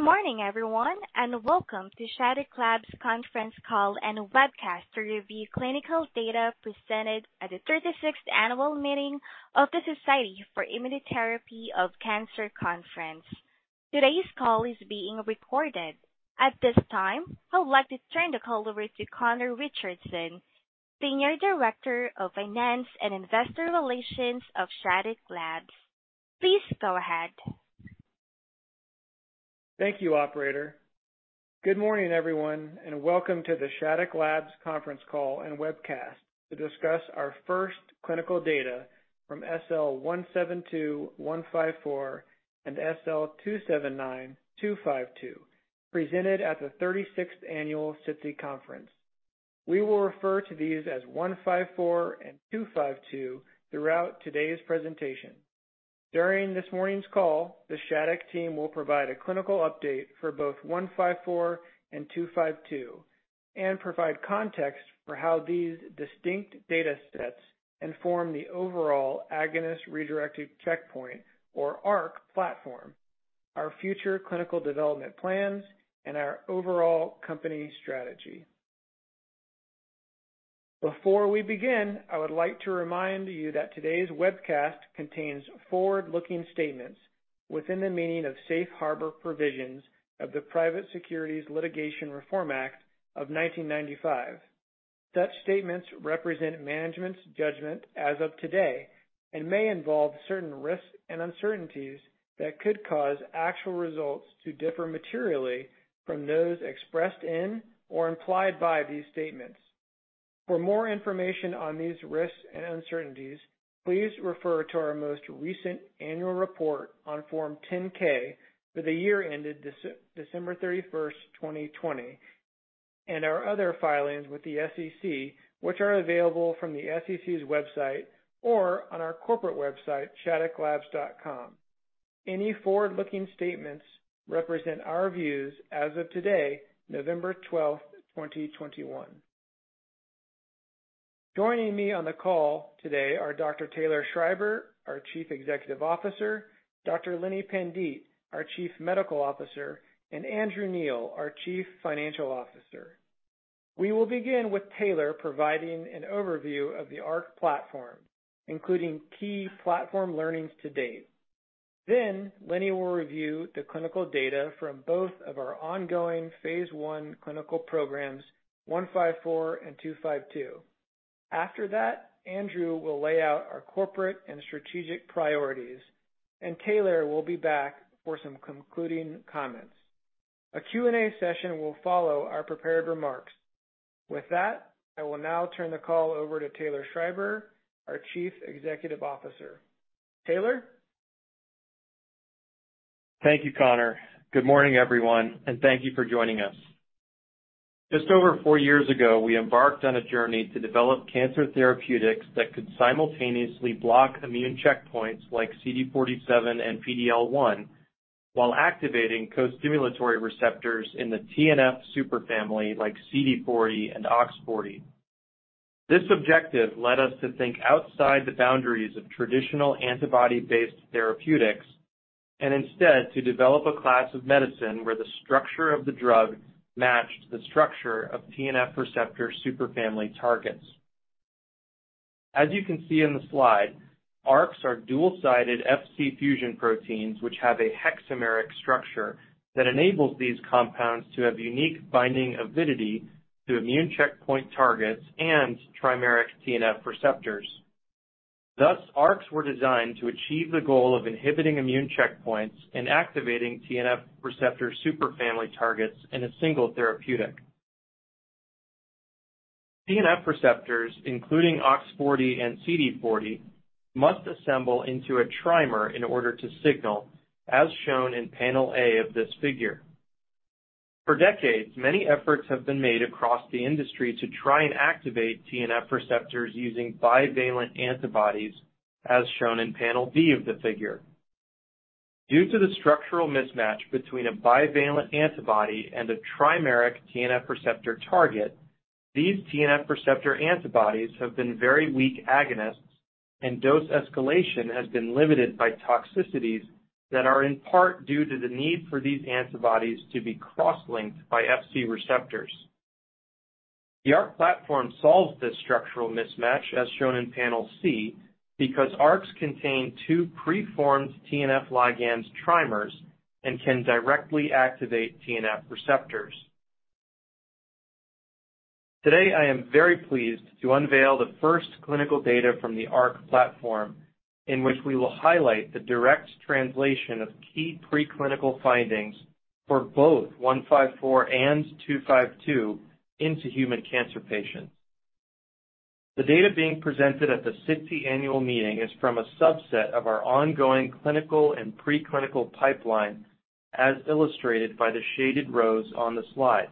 Good morning, everyone, and welcome to Shattuck Labs conference call and webcast to review clinical data presented at the thirty-sixth annual meeting of the Society for Immunotherapy of Cancer conference. Today's call is being recorded. At this time, I would like to turn the call over to Conor Richardson, Senior Director of Finance and Investor Relations of Shattuck Labs. Please go ahead. Thank you, operator. Good morning, everyone, and welcome to the Shattuck Labs conference call and webcast to discuss our first clinical data from SL-172154 and SL-279252 presented at the 36th annual SITC conference. We will refer to these as 154 and 252 throughout today's presentation. During this morning's call, the Shattuck team will provide a clinical update for both 154 and 252 and provide context for how these distinct data sets inform the overall agonist redirected checkpoint or ARC platform, our future clinical development plans, and our overall company strategy. Before we begin, I would like to remind you that today's webcast contains forward-looking statements within the meaning of safe harbor provisions of the Private Securities Litigation Reform Act of 1995. Such statements represent management's judgment as of today and may involve certain risks and uncertainties that could cause actual results to differ materially from those expressed in or implied by these statements. For more information on these risks and uncertainties, please refer to our most recent annual report on Form 10-K for the year ended December 31, 2020, and our other filings with the SEC, which are available from the SEC's website or on our corporate website, shattucklabs.com. Any forward-looking statements represent our views as of today, November 12, 2021. Joining me on the call today are Dr. Taylor Schreiber, our Chief Executive Officer, Dr. Lini Pandite, our Chief Medical Officer, and Andrew Neill, our Chief Financial Officer. We will begin with Taylor providing an overview of the ARC platform, including key platform learnings to date. Lini will review the clinical data from both of our ongoing phase I clinical programs, 154 and 252. After that, Andrew will lay out our corporate and strategic priorities, and Taylor will be back for some concluding comments. A Q&A session will follow our prepared remarks. With that, I will now turn the call over to Taylor Schreiber, our Chief Executive Officer. Taylor. Thank you, Conor. Good morning, everyone, and thank you for joining us. Just over four years ago, we embarked on a journey to develop cancer therapeutics that could simultaneously block immune checkpoints like CD47 and PD-L1 while activating costimulatory receptors in the TNF superfamily like CD40 and OX40. This objective led us to think outside the boundaries of traditional antibody-based therapeutics and instead to develop a class of medicine where the structure of the drug matched the structure of TNF receptor superfamily targets. As you can see in the slide, ARCs are dual-sided FC fusion proteins, which have a hexameric structure that enables these compounds to have unique binding avidity to immune checkpoint targets and trimeric TNF receptors. Thus, ARCs were designed to achieve the goal of inhibiting immune checkpoints and activating TNF receptor superfamily targets in a single therapeutic. TNF receptors, including OX40 and CD40, must assemble into a trimer in order to signal, as shown in Panel A of this figure. For decades, many efforts have been made across the industry to try and activate TNF receptors using bivalent antibodies, as shown in Panel B of the figure. Due to the structural mismatch between a bivalent antibody and a trimeric TNF receptor target, these TNF receptor antibodies have been very weak agonists, and dose escalation has been limited by toxicities that are in part due to the need for these antibodies to be cross-linked by FC receptors. The ARC platform solves this structural mismatch, as shown in Panel C, because ARCs contain two preformed TNF ligands trimers and can directly activate TNF receptors. Today, I am very pleased to unveil the first clinical data from the ARC platform, in which we will highlight the direct translation of key preclinical findings for both 154 and 252 into human cancer patients. The data being presented at the SITC annual meeting is from a subset of our ongoing clinical and preclinical pipeline, as illustrated by the shaded rows on the slide.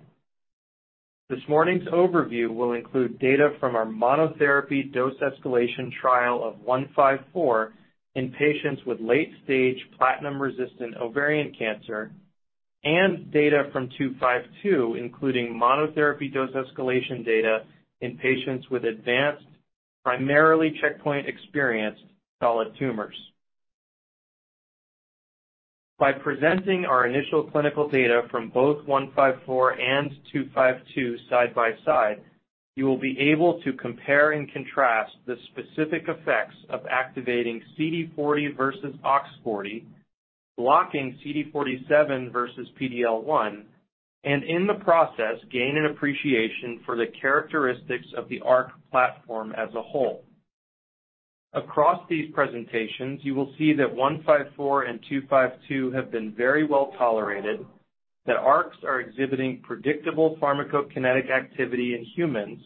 This morning's overview will include data from our monotherapy dose escalation trial of 154 in patients with late-stage platinum-resistant ovarian cancer and data from 252, including monotherapy dose escalation data in patients with advanced primarily checkpoint-experienced solid tumors. By presenting our initial clinical data from both 154 and 252 side by side, you will be able to compare and contrast the specific effects of activating CD40 versus OX40, blocking CD47 versus PD-L1, and in the process, gain an appreciation for the characteristics of the ARC platform as a whole. Across these presentations, you will see that 154 and 252 have been very well tolerated, that ARCs are exhibiting predictable pharmacokinetic activity in humans,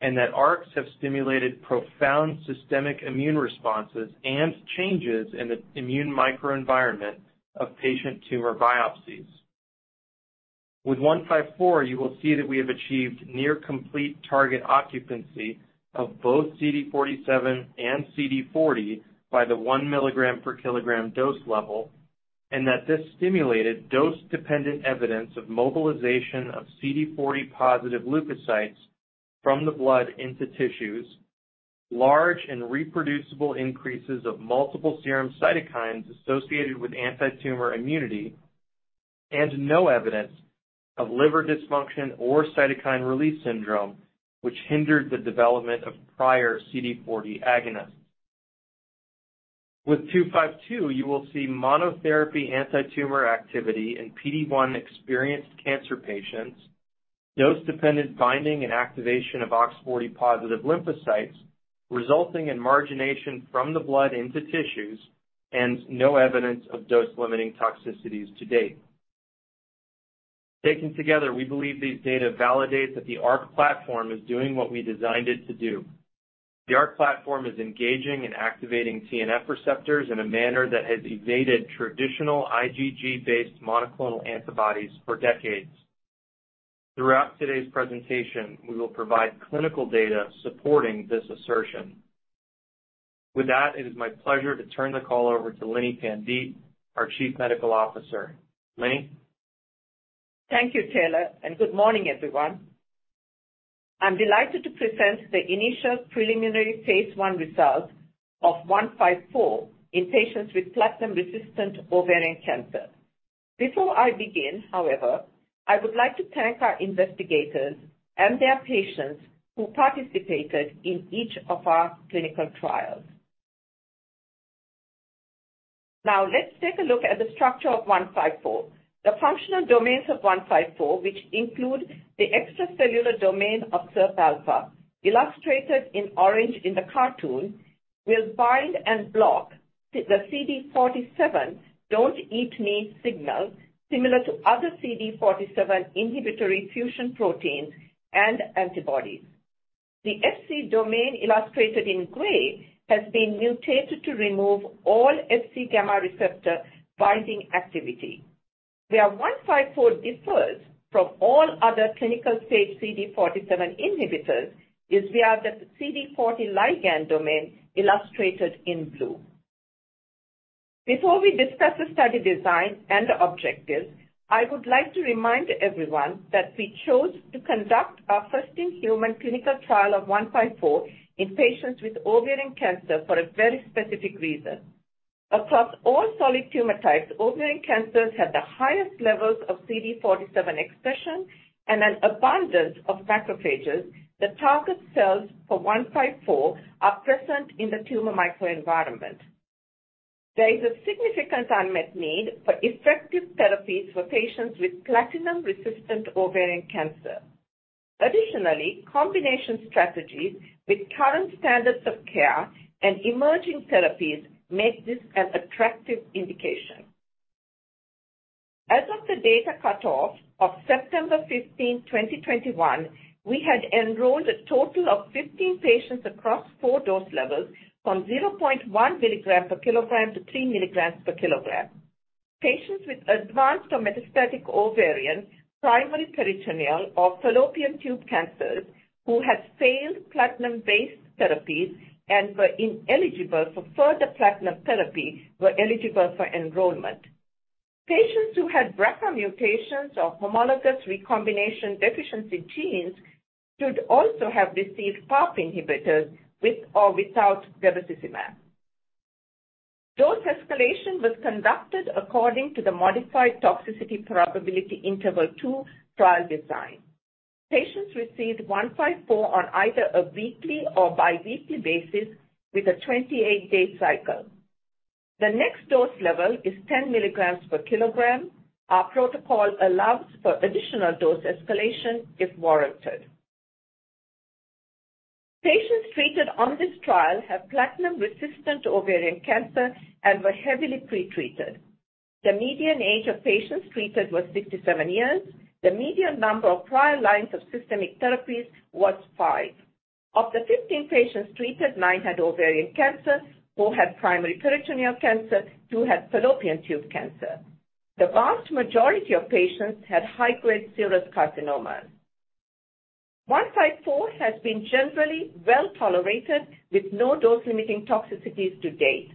and that ARCs have stimulated profound systemic immune responses and changes in the immune microenvironment of patient tumor biopsies. With 154, you will see that we have achieved near complete target occupancy of both CD47 and CD40 by the 1 mg/kg dose level, and that this stimulated dose-dependent evidence of mobilization of CD40-positive leukocytes from the blood into tissues, large and reproducible increases of multiple serum cytokines associated with antitumor immunity, and no evidence of liver dysfunction or cytokine release syndrome, which hindered the development of prior CD40 agonists. With 252, you will see monotherapy antitumor activity in PD-1-experienced cancer patients, dose-dependent binding and activation of OX40-positive lymphocytes, resulting in margination from the blood into tissues, and no evidence of dose-limiting toxicities to date. Taken together, we believe these data validate that the ARC platform is doing what we designed it to do. The ARC platform is engaging and activating TNF receptors in a manner that has evaded traditional IgG-based monoclonal antibodies for decades. Throughout today's presentation, we will provide clinical data supporting this assertion. With that, it is my pleasure to turn the call over to Lini Pandite, our Chief Medical Officer. Lini? Thank you, Taylor, and good morning, everyone. I'm delighted to present the initial preliminary phase I results of 154 in patients with platinum-resistant ovarian cancer. Before I begin, however, I would like to thank our investigators and their patients who participated in each of our clinical trials. Now, let's take a look at the structure of 154. The functional domains of 154, which include the extracellular domain of SIRPα, illustrated in orange in the cartoon, will bind and block the CD47 don't eat me signal, similar to other CD47 inhibitory fusion proteins and antibodies. The Fc domain, illustrated in gray, has been mutated to remove all Fc gamma receptor binding activity. Where 154 differs from all other clinical-stage CD47 inhibitors is via the CD40 ligand domain, illustrated in blue. Before we discuss the study design and objectives, I would like to remind everyone that we chose to conduct our first-in-human clinical trial of 154 in patients with ovarian cancer for a very specific reason. Across all solid tumor types, ovarian cancers have the highest levels of CD47 expression and an abundance of macrophages that target cells for 154 are present in the tumor microenvironment. There is a significant unmet need for effective therapies for patients with platinum-resistant ovarian cancer. Additionally, combination strategies with current standards of care and emerging therapies make this an attractive indication. As of the data cutoff of September 15, 2021, we had enrolled a total of 15 patients across 4 dose levels from 0.1 mg/kg to 3 mg/kg. Patients with advanced or metastatic ovarian, primary peritoneal, or fallopian tube cancers who had failed platinum-based therapies and were ineligible for further platinum therapy were eligible for enrollment. Patients who had BRCA mutations or homologous recombination-deficient genes should also have received PARP inhibitors with or without bevacizumab. Dose escalation was conducted according to the modified toxicity probability interval 2 trial design. Patients received 154 on either a weekly or biweekly basis with a 28-day cycle. The next dose level is 10 milligrams per kilogram. Our protocol allows for additional dose escalation if warranted. Patients treated on this trial have platinum-resistant ovarian cancer and were heavily pretreated. The median age of patients treated was 67 years. The median number of prior lines of systemic therapies was 5. Of the 15 patients treated, 9 had ovarian cancer, 4 had primary peritoneal cancer, 2 had fallopian tube cancer. The vast majority of patients had high-grade serous carcinoma. 154 has been generally well-tolerated, with no dose-limiting toxicities to date.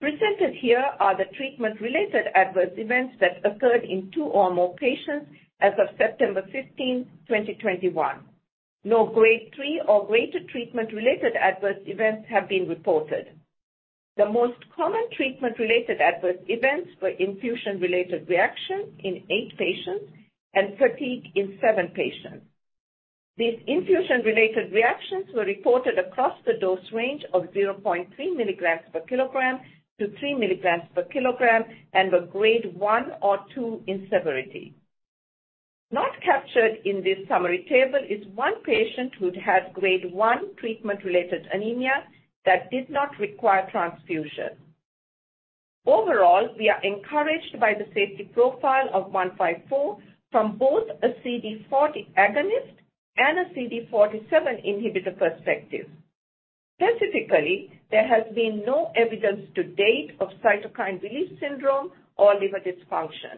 Presented here are the treatment-related adverse events that occurred in 2 or more patients as of September 15, 2021. No grade 3 or greater treatment-related adverse events have been reported. The most common treatment-related adverse events were infusion-related reaction in 8 patients and fatigue in 7 patients. These infusion-related reactions were reported across the dose range of 0.3 milligrams per kilogram to 3 milligrams per kilogram and were grade 1 or 2 in severity. Not captured in this summary table is 1 patient who had grade 1 treatment-related anemia that did not require transfusion. Overall, we are encouraged by the safety profile of 154 from both a CD40 agonist and a CD47 inhibitor perspective. Specifically, there has been no evidence to date of cytokine release syndrome or liver dysfunction.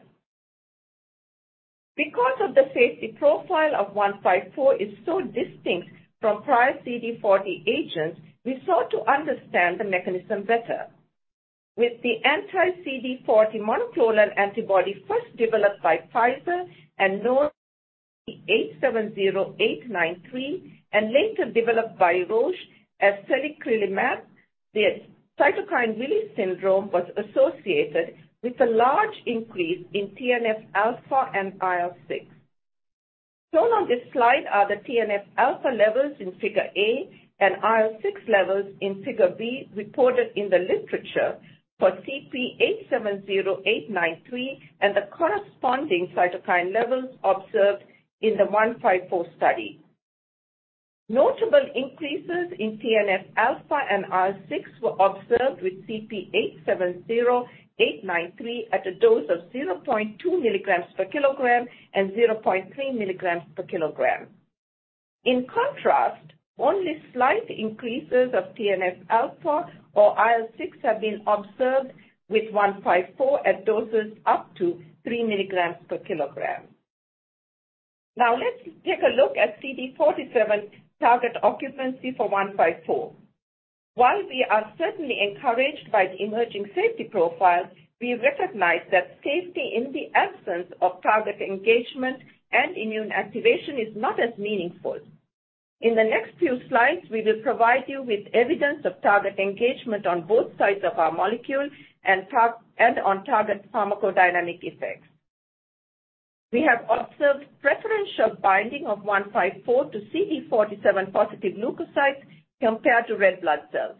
Because of the safety profile of 154 is so distinct from prior CD40 agents, we sought to understand the mechanism better. With the anti-CD40 monoclonal antibody first developed by Pfizer and known as CP-870,893 and later developed by Roche as selicrelumab, the cytokine release syndrome was associated with a large increase in TNF-alpha and IL-6. Shown on this slide are the TNF-alpha levels in figure A and IL-6 levels in figure B reported in the literature for CP-870,893 and the corresponding cytokine levels observed in the 154 study. Notable increases in TNF-alpha and IL-6 were observed with CP-870,893 at a dose of 0.2 mg/kg and 0.3 mg/kg. In contrast, only slight increases of TNF-alpha or IL-6 have been observed with 154 at doses up to 3 mg/kg. Now let's take a look at CD47 target occupancy for 154. While we are certainly encouraged by the emerging safety profile, we recognize that safety in the absence of target engagement and immune activation is not as meaningful. In the next few slides, we will provide you with evidence of target engagement on both sides of our molecule and on target pharmacodynamic effects. We have observed preferential binding of 154 to CD47-positive leukocytes compared to red blood cells.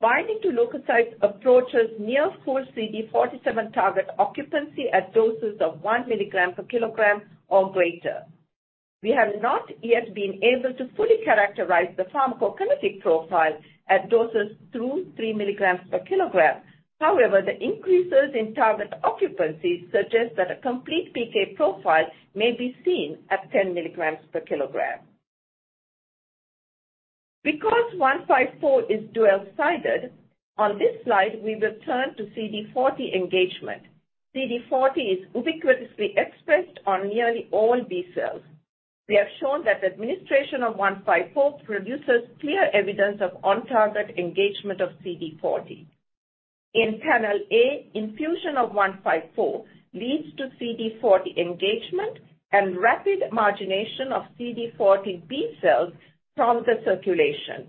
Binding to leukocytes approaches near full CD47 target occupancy at doses of 1 mg/kg or greater. We have not yet been able to fully characterize the pharmacokinetic profile at doses 2-3 mg/kg. However, the increases in target occupancy suggest that a complete PK profile may be seen at 10 mg/kg. Because 154 is dual-sided, on this slide we will turn to CD40 engagement. CD40 is ubiquitously expressed on nearly all B cells. We have shown that administration of 154 produces clear evidence of on-target engagement of CD40. In panel A, infusion of 154 leads to CD40 engagement and rapid margination of CD40 B cells from the circulation.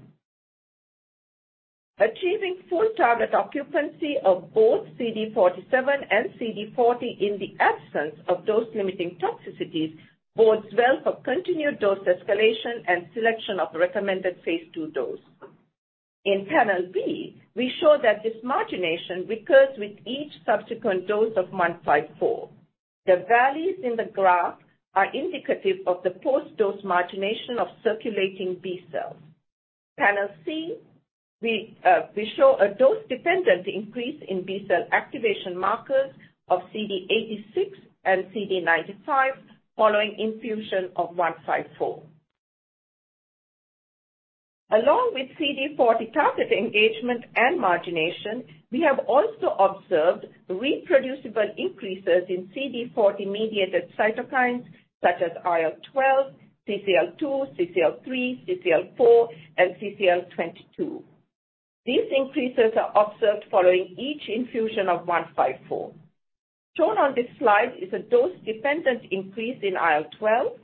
Achieving full target occupancy of both CD47 and CD40 in the absence of dose-limiting toxicities bodes well for continued dose escalation and selection of the recommended phase II dose. In panel B, we show that this margination recurs with each subsequent dose of 154. The valleys in the graph are indicative of the post-dose margination of circulating B cells. Panel C, we show a dose-dependent increase in B-cell activation markers of CD86 and CD95 following infusion of 154. Along with CD40 target engagement and margination, we have also observed reproducible increases in CD40-mediated cytokines such as IL-12, CCL-2, CCL-3, CCL-4, and CCL-22. These increases are observed following each infusion of 154. Shown on this slide is a dose-dependent increase in IL-12.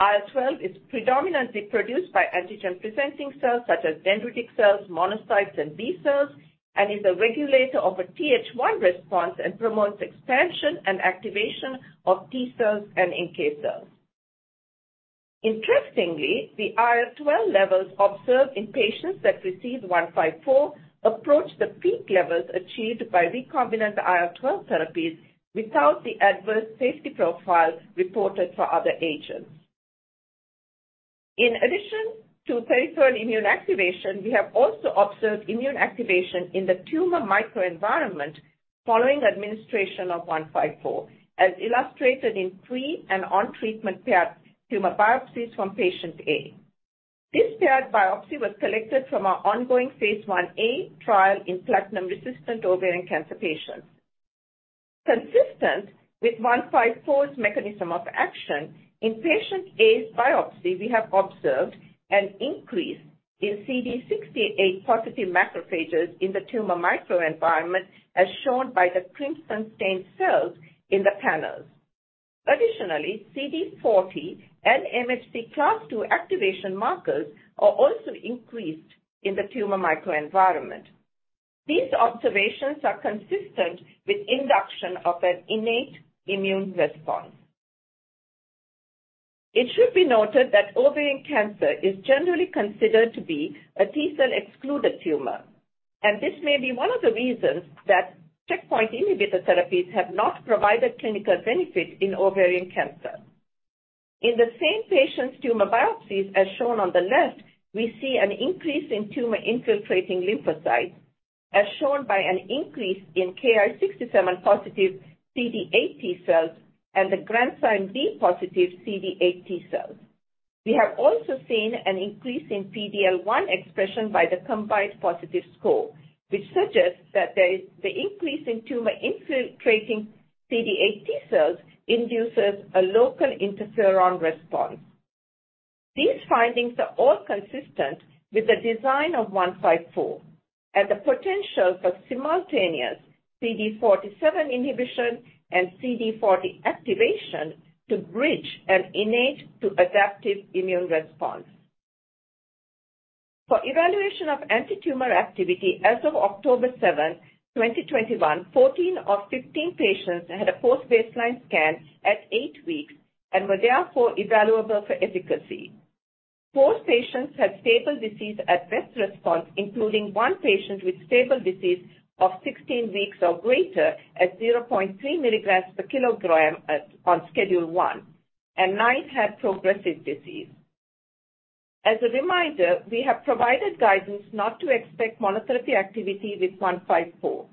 IL-12 is predominantly produced by antigen-presenting cells such as dendritic cells, monocytes, and B cells, and is a regulator of a Th1 response and promotes expansion and activation of T cells and NK cells. Interestingly, the IL-12 levels observed in patients that received 154 approach the peak levels achieved by recombinant IL-12 therapies without the adverse safety profile reported for other agents. In addition to peripheral immune activation, we have also observed immune activation in the tumor microenvironment following administration of 154, as illustrated in pre- and on-treatment paired tumor biopsies from patient A. This paired biopsy was collected from our ongoing phase I-A trial in platinum-resistant ovarian cancer patients. Consistent with 154's mechanism of action, in patient A's biopsy, we have observed an increase in CD68 positive macrophages in the tumor microenvironment, as shown by the crimson-stained cells in the panels. Additionally, CD40 and MHC class II activation markers are also increased in the tumor microenvironment. These observations are consistent with induction of an innate immune response. It should be noted that ovarian cancer is generally considered to be a T-cell-excluded tumor, and this may be one of the reasons that checkpoint inhibitor therapies have not provided clinical benefit in ovarian cancer. In the same patient's tumor biopsies as shown on the left, we see an increase in tumor-infiltrating lymphocytes, as shown by an increase in Ki-67 positive CD8 T cells and the Granzyme B positive CD8 T cells. We have also seen an increase in PD-L1 expression by the combined positive score, which suggests that the increase in tumor-infiltrating CD8 T cells induces a local interferon response. These findings are all consistent with the design of 154 and the potential for simultaneous CD47 inhibition and CD40 activation to bridge an innate to adaptive immune response. For evaluation of antitumor activity, as of October seventh, 2021, 14 of 15 patients had a post-baseline scan at 8 weeks and were therefore evaluable for efficacy. 4 patients had stable disease at best response, including one patient with stable disease of 16 weeks or greater at 0.3 milligrams per kilogram on schedule 1, and 9 had progressive disease. As a reminder, we have provided guidance not to expect monotherapy activity with 154.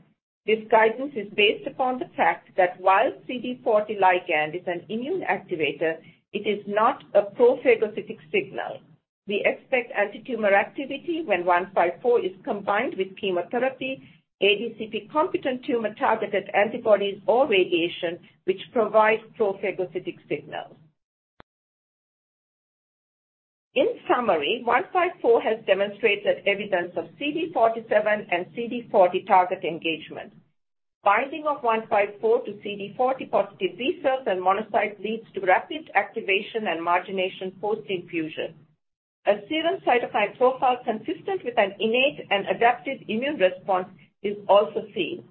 This guidance is based upon the fact that while CD40 ligand is an immune activator, it is not a pro-phagocytic signal. We expect antitumor activity when 154 is combined with chemotherapy, ADCP-competent tumor-targeted antibodies, or radiation, which provides pro-phagocytic signal. In summary, 154 has demonstrated evidence of CD47 and CD40 target engagement. Binding of 154 to CD40-positive B cells and monocytes leads to rapid activation and margination post-infusion. A serum cytokine profile consistent with an innate and adaptive immune response is also seen.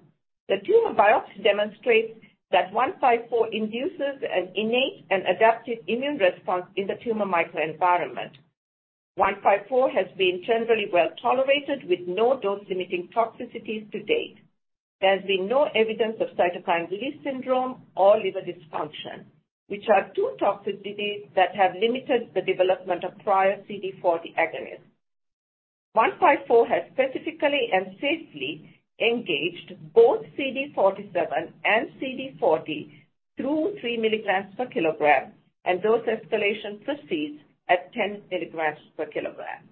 The tumor biopsy demonstrates that 154 induces an innate and adaptive immune response in the tumor microenvironment. 154 has been generally well-tolerated with no dose-limiting toxicities to date. There has been no evidence of cytokine release syndrome or liver dysfunction, which are two toxicities that have limited the development of prior CD40 agonists. 154 has specifically and safely engaged both CD47 and CD40 through 3 milligrams per kilogram, and dose escalation proceeds at 10 milligrams per kilogram.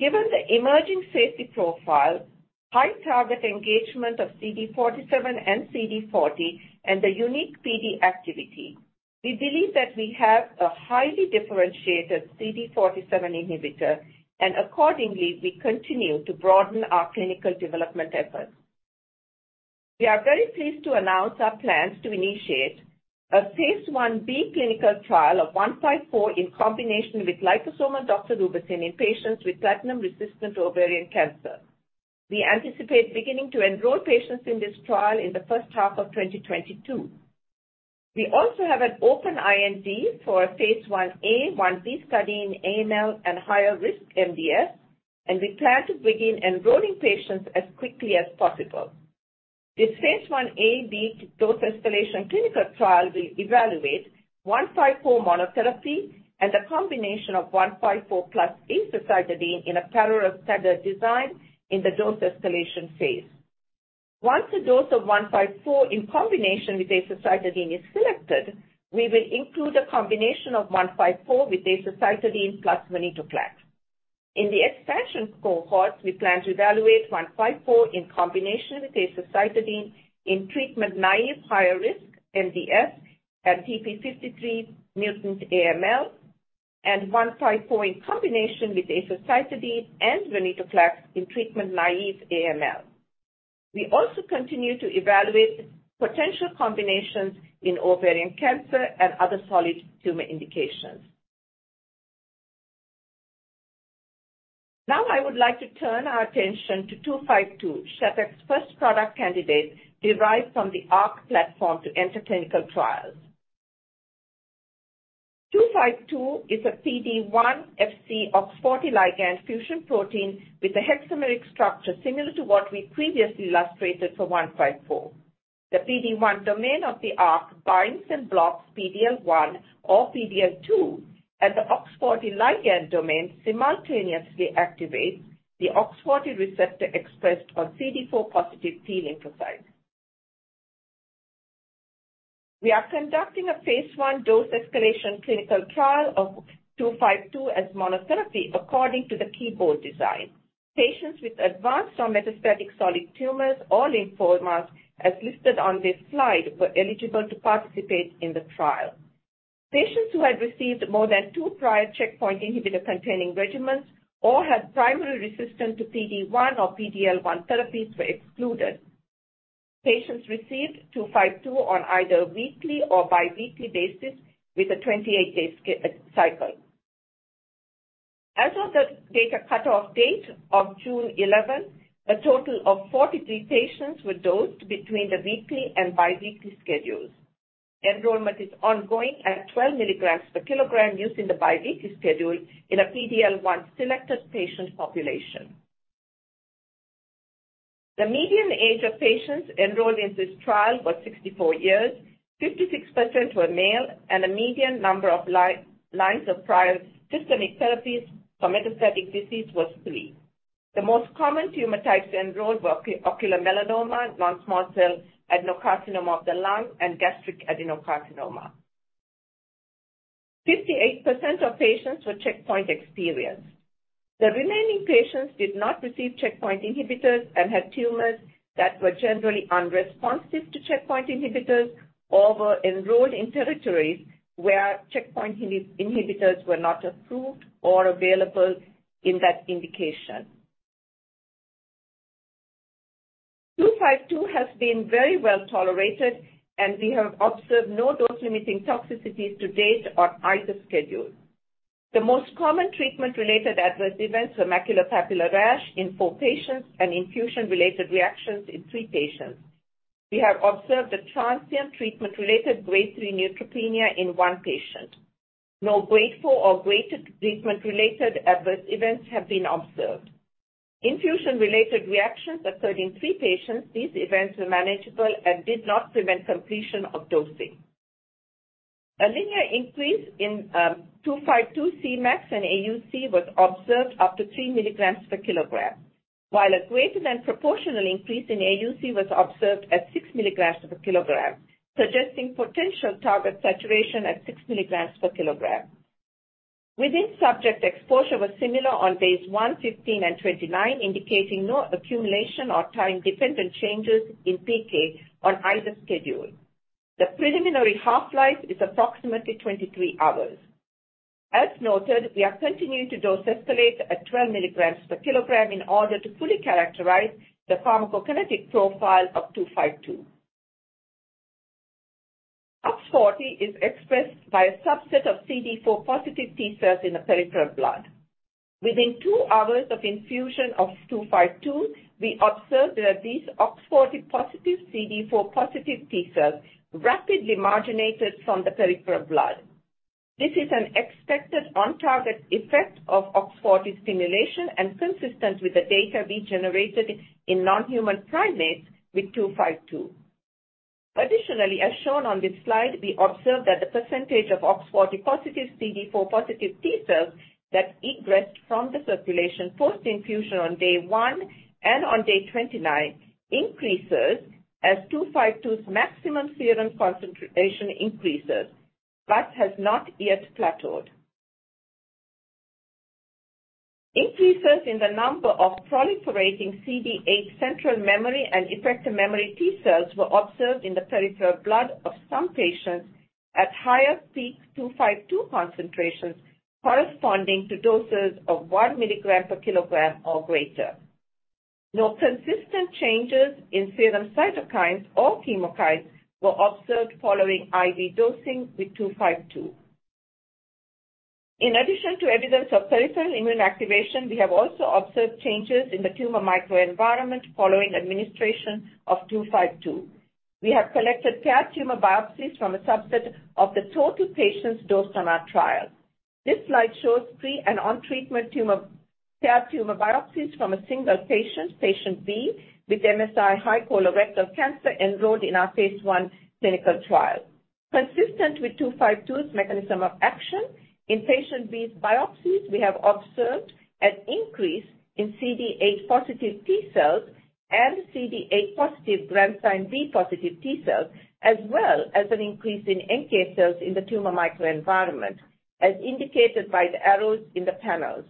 Given the emerging safety profile, high target engagement of CD47 and CD40, and the unique PD activity, we believe that we have a highly differentiated CD47 inhibitor, and accordingly, we continue to broaden our clinical development efforts. We are very pleased to announce our plans to initiate a phase I-B clinical trial of 154 in combination with liposomal doxorubicin in patients with platinum-resistant ovarian cancer. We anticipate beginning to enroll patients in this trial in the first half of 2022. We also have an open IND for a phase I-A/I-B study in AML and higher risk MDS, and we plan to begin enrolling patients as quickly as possible. This phase I A/B dose escalation clinical trial will evaluate 154 monotherapy and a combination of 154 plus azacitidine in a parallel staggered design in the dose escalation phase. Once a dose of 154 in combination with azacitidine is selected, we will include a combination of 154 with azacitidine plus venetoclax. In the expansion cohort, we plan to evaluate 154 in combination with azacitidine in treatment-naive higher risk MDS and TP53 mutant AML, and 154 in combination with azacitidine and venetoclax in treatment-naive AML. We also continue to evaluate potential combinations in ovarian cancer and other solid tumor indications. Now I would like to turn our attention to 252, Shattuck's first product candidate derived from the ARC platform to enter clinical trials. 252 is a PD-1 Fc OX40 ligand fusion protein with a hexameric structure similar to what we previously illustrated for 154. The PD-1 domain of the ARC binds and blocks PD-L1 or PD-L2, and the OX40 ligand domain simultaneously activates the OX40 receptor expressed on CD4-positive T lymphocytes. We are conducting a phase I dose escalation clinical trial of 252 as monotherapy according to the keyboard design. Patients with advanced or metastatic solid tumors or lymphomas as listed on this slide were eligible to participate in the trial. Patients who had received more than 2 prior checkpoint inhibitor-containing regimens or had primary resistance to PD-1 or PD-L1 therapies were excluded. Patients received 252 on either weekly or bi-weekly basis with a 28-day cycle. As of the data cut-off date of June 11, a total of 43 patients were dosed between the weekly and bi-weekly schedules. Enrollment is ongoing at 12 mg/kg using the bi-weekly schedule in a PD-L1 selected patient population. The median age of patients enrolled in this trial was 64 years, 56% were male, and a median number of lines of prior systemic therapies for metastatic disease was 3. The most common tumor types enrolled were ocular melanoma, non-small cell adenocarcinoma of the lung, and gastric adenocarcinoma. 58% of patients were checkpoint-experienced. The remaining patients did not receive checkpoint inhibitors and had tumors that were generally unresponsive to checkpoint inhibitors or were enrolled in territories where checkpoint inhibitors were not approved or available in that indication. 252 has been very well tolerated, and we have observed no dose-limiting toxicities to date on either schedule. The most common treatment-related adverse events were maculopapular rash in four patients and infusion-related reactions in three patients. We have observed a transient treatment-related grade 3 neutropenia in one patient. No grade 4 or greater treatment-related adverse events have been observed. Infusion-related reactions occurred in three patients. These events were manageable and did not prevent completion of dosing. A linear increase in 252 Cmax and AUC was observed up to 3 mg/kg, while a greater than proportional increase in AUC was observed at 6 mg/kg, suggesting potential target saturation at 6 mg/kg. Within-subject exposure was similar on days one, 15, and 29, indicating no accumulation or time-dependent changes in PK on either schedule. The preliminary half-life is approximately 23 hours. As noted, we are continuing to dose escalate at 12 mg/kg in order to fully characterize the pharmacokinetic profile of 252. OX40 is expressed by a subset of CD4 positive T cells in the peripheral blood. Within 2 hours of infusion of 252, we observed that these OX40 positive CD4 positive T cells rapidly marginated from the peripheral blood. This is an expected on-target effect of OX40 stimulation and consistent with the data we generated in non-human primates with 252. Additionally, as shown on this slide, we observed that the percentage of OX40 positive CD4 positive T cells that egressed from the circulation post-infusion on day 1 and on day 29 increases as 252's maximum serum concentration increases but has not yet plateaued. Increases in the number of proliferating CD8 central memory and effector memory T cells were observed in the peripheral blood of some patients at higher peak 252 concentrations corresponding to doses of one milligram per kilogram or greater. No consistent changes in serum cytokines or chemokines were observed following IV dosing with 252. In addition to evidence of peripheral immune activation, we have also observed changes in the tumor microenvironment following administration of 252. We have collected paired tumor biopsies from a subset of the total patients dosed on our trial. This slide shows pre- and on-treatment paired tumor biopsies from a single patient B, with MSI-high colorectal cancer enrolled in our phase I clinical trial. Consistent with 252's mechanism of action, in patient B's biopsies we have observed an increase in CD8 positive T cells and CD8 positive Granzyme B positive T cells, as well as an increase in NK cells in the tumor microenvironment, as indicated by the arrows in the panels.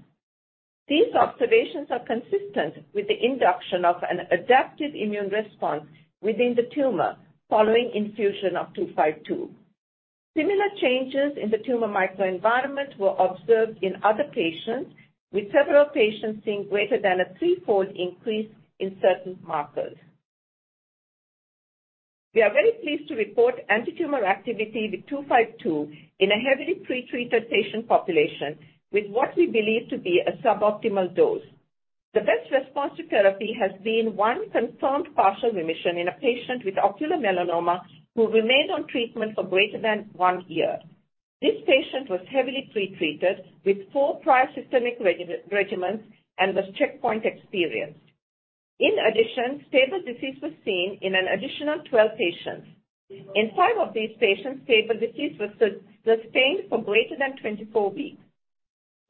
These observations are consistent with the induction of an adaptive immune response within the tumor following infusion of 252. Similar changes in the tumor microenvironment were observed in other patients, with several patients seeing greater than a three-fold increase in certain markers. We are very pleased to report antitumor activity with 252 in a heavily pre-treated patient population with what we believe to be a suboptimal dose. The best response to therapy has been one confirmed partial remission in a patient with ocular melanoma who remained on treatment for greater than one year. This patient was heavily pre-treated with four prior systemic regimens and was checkpoint-experienced. In addition, stable disease was seen in an additional 12 patients. In five of these patients, stable disease was sustained for greater than 24 weeks.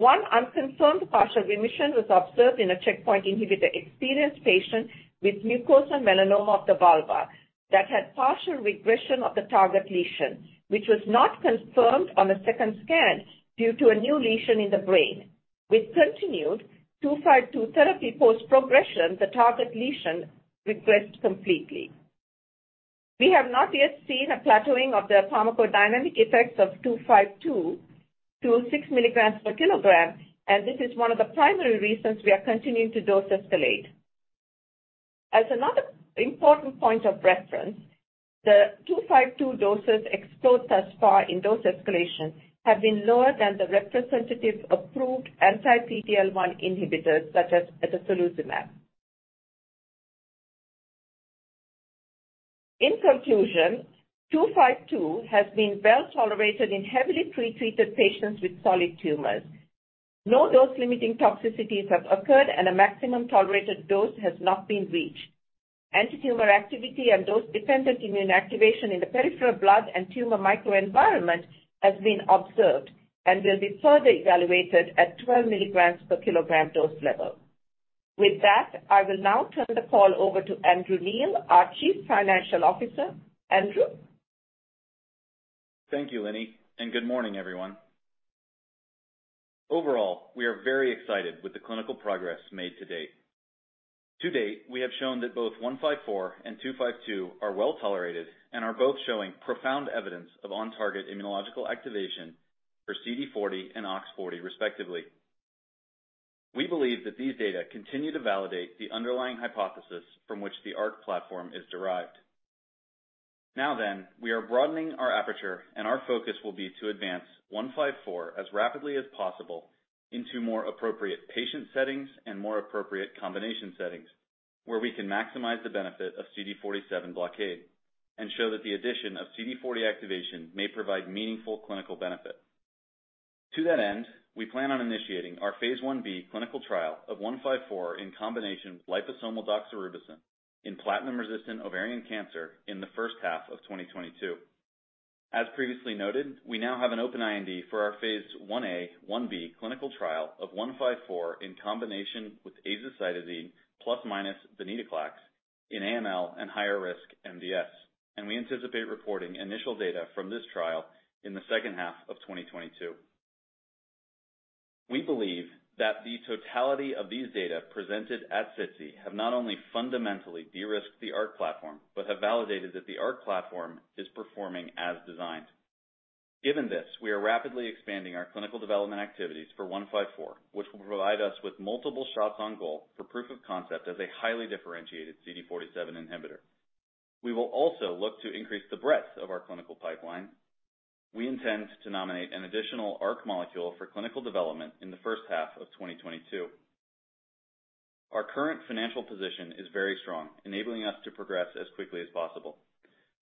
One unconfirmed partial remission was observed in a checkpoint inhibitor-experienced patient with mucosal melanoma of the vulva that had partial regression of the target lesion, which was not confirmed on a second scan due to a new lesion in the brain. With continued 252 therapy post progression, the target lesion regressed completely. We have not yet seen a plateauing of the pharmacodynamic effects of 252 to six milligrams per kilogram, and this is one of the primary reasons we are continuing to dose escalate. As another important point of reference, the 252 doses explored thus far in dose escalation have been lower than the representative approved anti-PD-L1 inhibitors such as atezolizumab. In conclusion, 252 has been well-tolerated in heavily pretreated patients with solid tumors. No dose-limiting toxicities have occurred, and a maximum tolerated dose has not been reached. Antitumor activity and dose-dependent immune activation in the peripheral blood and tumor microenvironment has been observed and will be further evaluated at 12 mg/kg dose level. With that, I will now turn the call over to Andrew Neill, our Chief Financial Officer. Andrew? Thank you, Lini, and good morning, everyone. Overall, we are very excited with the clinical progress made to date. To date, we have shown that both 154 and 252 are well-tolerated and are both showing profound evidence of on-target immunological activation for CD40 and OX40 respectively. We believe that these data continue to validate the underlying hypothesis from which the ARC platform is derived. Now then, we are broadening our aperture, and our focus will be to advance 154 as rapidly as possible into more appropriate patient settings and more appropriate combination settings, where we can maximize the benefit of CD47 blockade and show that the addition of CD40 activation may provide meaningful clinical benefit. To that end, we plan on initiating our phase I-B clinical trial of 154 in combination with liposomal doxorubicin in platinum-resistant ovarian cancer in the first half of 2022. As previously noted, we now have an open IND for our phase I-A/I-B clinical trial of 154 in combination with azacitidine plus/minus venetoclax in AML and higher risk MDS. We anticipate reporting initial data from this trial in the second half of 2022. We believe that the totality of these data presented at SITC have not only fundamentally de-risked the ARC platform but have validated that the ARC platform is performing as designed. Given this, we are rapidly expanding our clinical development activities for 154, which will provide us with multiple shots on goal for proof of concept as a highly differentiated CD47 inhibitor. We will also look to increase the breadth of our clinical pipeline. We intend to nominate an additional ARC molecule for clinical development in the first half of 2022. Our current financial position is very strong, enabling us to progress as quickly as possible.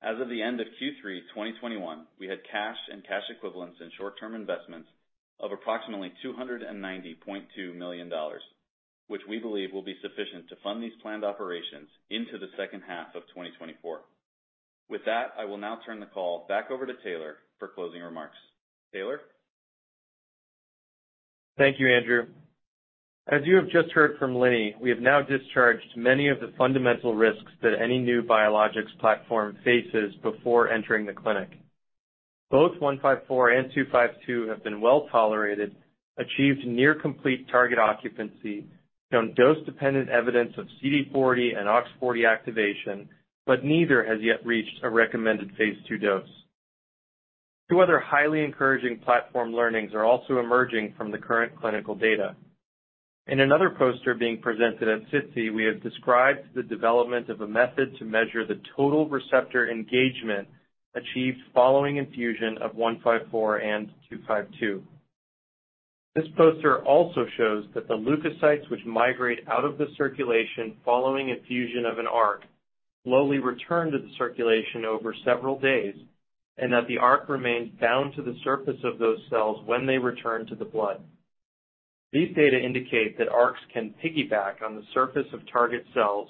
As of the end of Q3 2021, we had cash and cash equivalents in short-term investments of approximately $290.2 million, which we believe will be sufficient to fund these planned operations into the second half of 2024. With that, I will now turn the call back over to Taylor for closing remarks. Taylor? Thank you, Andrew. As you have just heard from Lini, we have now discharged many of the fundamental risks that any new biologics platform faces before entering the clinic. Both 154 and 252 have been well-tolerated, achieved near complete target occupancy, shown dose-dependent evidence of CD40 and OX40 activation, but neither has yet reached a recommended phase II dose. Two other highly encouraging platform learnings are also emerging from the current clinical data. In another poster being presented at SITC, we have described the development of a method to measure the total receptor engagement achieved following infusion of 154 and 252. This poster also shows that the leukocytes which migrate out of the circulation following infusion of an ARC slowly return to the circulation over several days, and that the ARC remains bound to the surface of those cells when they return to the blood. These data indicate that ARCs can piggyback on the surface of target cells,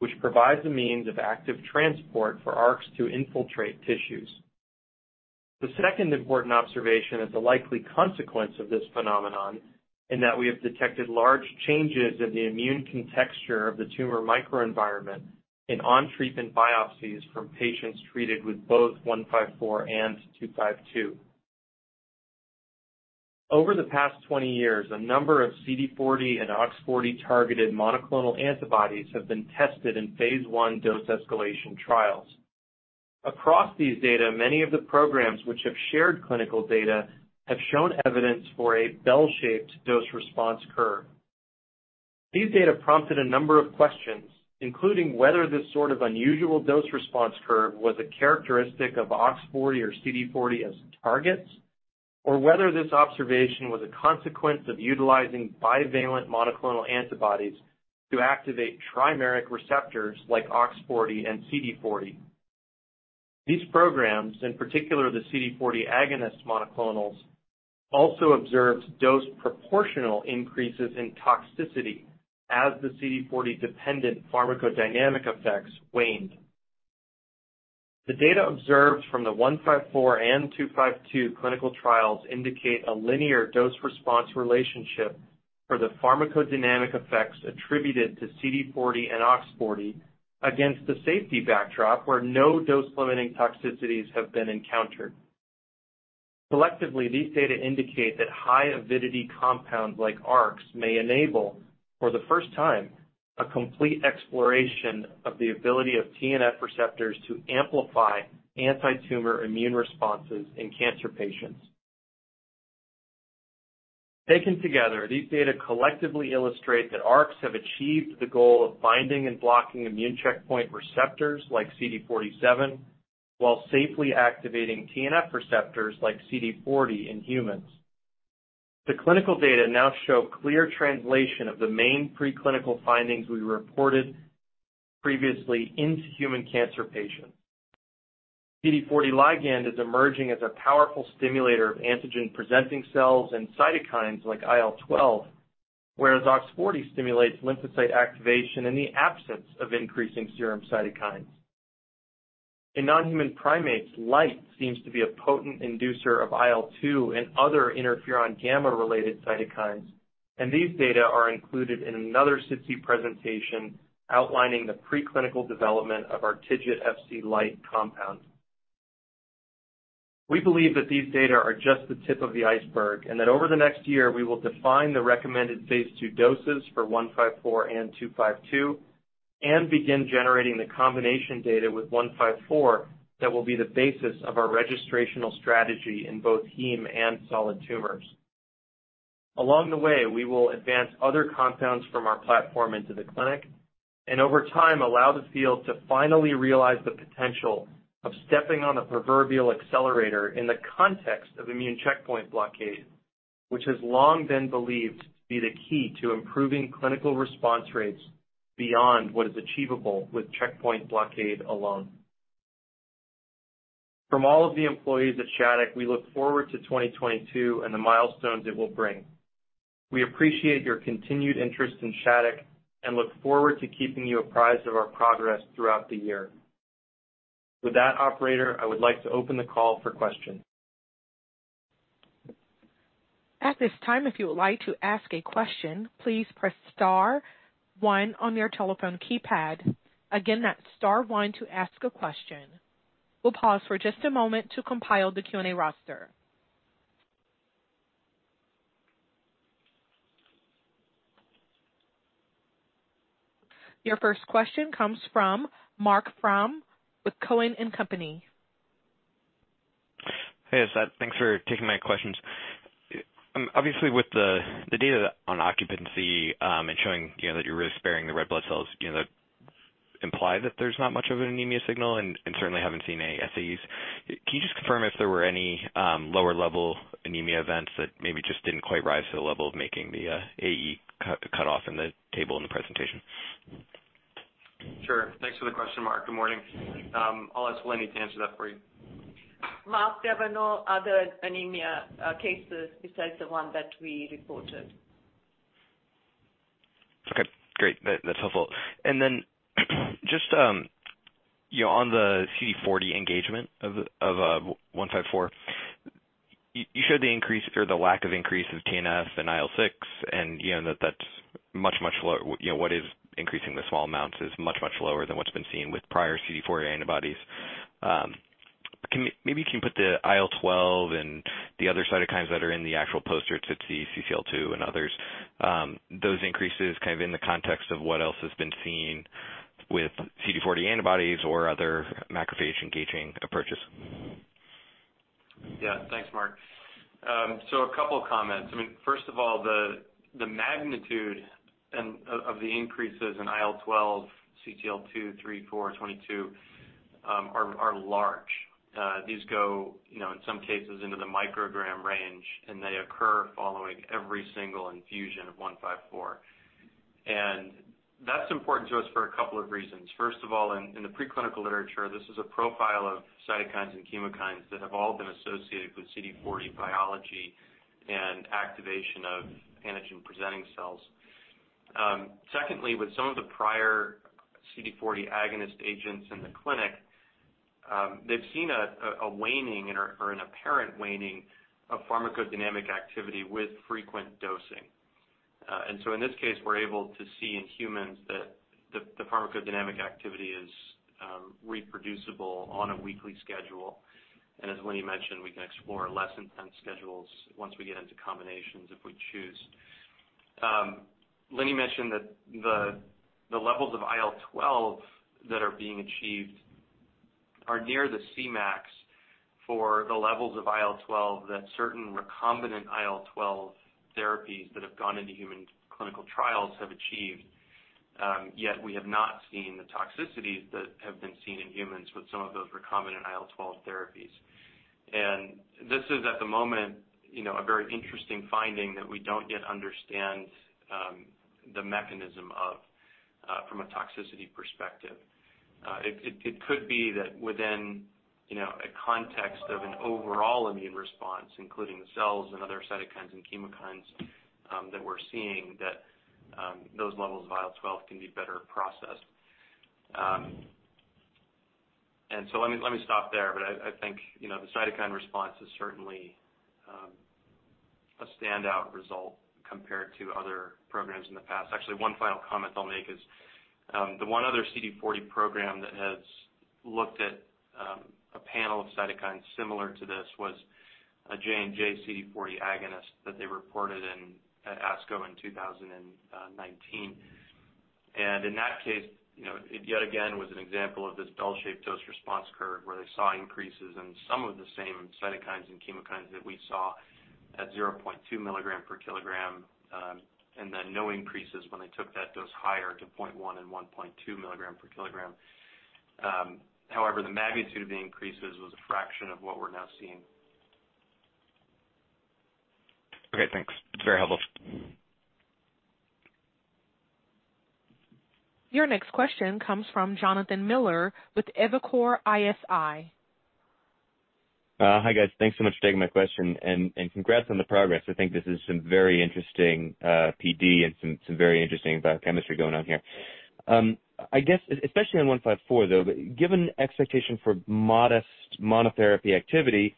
which provides a means of active transport for ARCs to infiltrate tissues. The second important observation is the likely consequence of this phenomenon in that we have detected large changes in the immune contexture of the tumor microenvironment in on-treatment biopsies from patients treated with both SL-172154 and SL-279252. Over the past 20 years, a number of CD40 and OX40-targeted monoclonal antibodies have been tested in phase I dose escalation trials. Across these data, many of the programs which have shared clinical data have shown evidence for a bell-shaped dose-response curve. These data prompted a number of questions, including whether this sort of unusual dose-response curve was a characteristic of OX40 or CD40 as targets, or whether this observation was a consequence of utilizing bivalent monoclonal antibodies to activate trimeric receptors like OX40 and CD40. These programs, in particular the CD40 agonist monoclonals, also observed dose-proportional increases in toxicity as the CD40-dependent pharmacodynamic effects waned. The data observed from the SL-172154 and SL-279252 clinical trials indicate a linear dose-response relationship for the pharmacodynamic effects attributed to CD40 and OX40 against the safety backdrop where no dose-limiting toxicities have been encountered. Collectively, these data indicate that high avidity compounds like ARCS may enable, for the first time, a complete exploration of the ability of TNF receptors to amplify antitumor immune responses in cancer patients. Taken together, these data collectively illustrate that ARCS have achieved the goal of binding and blocking immune checkpoint receptors like CD47, while safely activating TNF receptors like CD40 in humans. The clinical data now show clear translation of the main preclinical findings we reported previously in human cancer patients. CD40 ligand is emerging as a powerful stimulator of antigen-presenting cells and cytokines like IL-12, whereas OX40 stimulates lymphocyte activation in the absence of increasing serum cytokines. In non-human primates, LIGHT seems to be a potent inducer of IL-2 and other interferon gamma related cytokines, and these data are included in another SITC presentation outlining the preclinical development of our TIGIT Fc LIGHT compound. We believe that these data are just the tip of the iceberg and that over the next year we will define the recommended phase II doses for 154 and 252 and begin generating the combination data with 154 that will be the basis of our registrational strategy in both heme and solid tumors. Along the way, we will advance other compounds from our platform into the clinic and over time allow the field to finally realize the potential of stepping on a proverbial accelerator in the context of immune checkpoint blockade, which has long been believed to be the key to improving clinical response rates beyond what is achievable with checkpoint blockade alone. From all of the employees at Shattuck, we look forward to 2022 and the milestones it will bring. We appreciate your continued interest in Shattuck and look forward to keeping you apprised of our progress throughout the year. With that, operator, I would like to open the call for questions. At this time, if you would like to ask a question, please press star one on your telephone keypad. Again, that's star one to ask a question. We'll pause for just a moment to compile the Q&A roster. Your first question comes from Marc Frahm with Cowen and Company. Thanks for taking my questions. Obviously with the data on occupancy and showing, you know, that you're really sparing the red blood cells, you know, imply that there's not much of an anemia signal and certainly haven't seen any SAEs. Can you just confirm if there were any lower level anemia events that maybe just didn't quite rise to the level of making the AE cut off in the table in the presentation? Sure. Thanks for the question, Marc. Good morning. I'll ask Lini to answer that for you. Marc, there were no other anemia cases besides the one that we reported. Okay, great. That's helpful. Just, you know, on the CD40 engagement of CD154, you showed the increase or the lack of increase of TNF and IL-6, and that's much lower than what's been seen with prior CD40 antibodies. Maybe you can put the IL-12 and the other cytokines that are in the actual poster to CCL-2 and others, those increases kind of in the context of what else has been seen with CD40 antibodies or other macrophage engaging approaches. Yeah. Thanks, Marc. So a couple comments. I mean, first of all, the magnitude of the increases in IL-12, CCL-2, 3, 4, 22 are large. These go in some cases into the microgram range, and they occur following every single infusion of 154. That's important to us for a couple of reasons. First of all, in the preclinical literature, this is a profile of cytokines and chemokines that have all been associated with CD40 biology and activation of antigen-presenting cells. Secondly, with some of the prior CD40 agonist agents in the clinic, they've seen a waning or an apparent waning of pharmacodynamic activity with frequent dosing. In this case, we are able to see in humans that the pharmacodynamic activity is reproducible on a weekly schedule. As Lini mentioned, we can explore less intense schedules once we get into combinations if we choose. Lini mentioned that the levels of IL-12 that are being achieved are near the Cmax for the levels of IL-12 that certain recombinant IL-12 therapies that have gone into human clinical trials have achieved, yet we have not seen the toxicities that have been seen in humans with some of those recombinant IL-12 therapies. This is at the moment a very interesting finding that we don't yet understand the mechanism of from a toxicity perspective. It could be that within, you know, a context of an overall immune response, including the cells and other cytokines and chemokines, that we're seeing that those levels of IL-12 can be better processed. Let me stop there. I think, you know, the cytokine response is certainly a standout result compared to other programs in the past. Actually, one final comment I'll make is the one other CD40 program that has looked at a panel of cytokines similar to this was a J&J CD40 agonist that they reported at ASCO in 2019. In that case, you know, it yet again was an example of this bell-shaped dose-response curve where they saw increases in some of the same cytokines and chemokines that we saw at 0.2 milligram per kilogram, and then no increases when they took that dose higher to 0.1 and 1.2 milligram per kilogram. However, the magnitude of the increases was a fraction of what we're now seeing. Okay, thanks. It's very helpful. Your next question comes from Jonathan Miller with Evercore ISI. Hi, guys. Thanks so much for taking my question, and congrats on the progress. I think this is some very interesting PD and some very interesting biochemistry going on here. I guess especially on 154, though, but given expectation for modest monotherapy activity,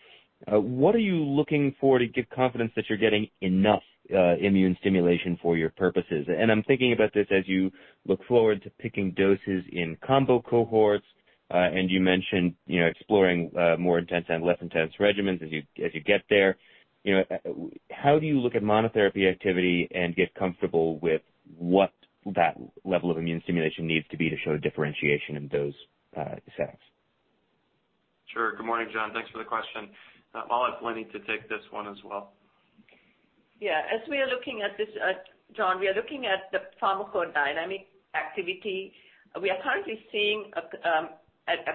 what are you looking for to give confidence that you're getting enough immune stimulation for your purposes? I'm thinking about this as you look forward to picking doses in combo cohorts, and you mentioned, you know, exploring more intense and less intense regimens as you get there. You know, how do you look at monotherapy activity and get comfortable with what that level of immune stimulation needs to be to show differentiation in those settings? Sure. Good morning, John. Thanks for the question. I'll ask Lini to take this one as well. Yeah. As we are looking at this, John, we are looking at the pharmacodynamic activity. We are currently seeing